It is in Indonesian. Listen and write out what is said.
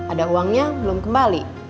ada uangnya belum kembali